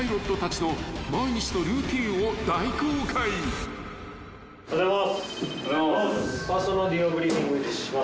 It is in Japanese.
［そんな］おはようございます。